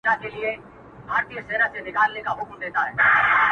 تشي کیسې د تاریخونو کوي.!